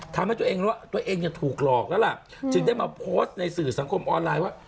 ทำให้ตัวเองรู้ว่าตัวเองเนี่ยถูกหลอกแล้วล่ะจึงได้มาโพสต์ในสื่อสังคมออนไลน์ว่า